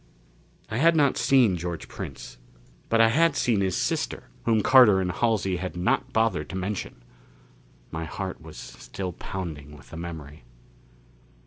I had not seen George Prince. But I had seen his sister, whom Carter and Halsey had not bothered to mention. My heart was still pounding with the memory.